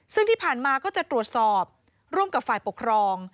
ซึ่งที่ผ่านมาก็จะตรวจสอบร่วมกับฝ่ายปกครอง